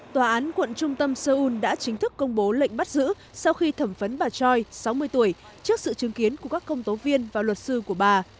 tòa án quận trung tâm seoul đã chính thức công bố lệnh bắt giữ sau khi thẩm vấn bà choi sáu mươi tuổi trước sự chứng kiến của các công tố viên và luật sư của bà